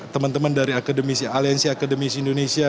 teman teman dari akademisi aliansi akademisi indonesia